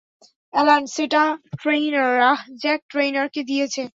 Alan সেটা Trainer, আহ, Jack ট্রেইনারকে দিয়েছে।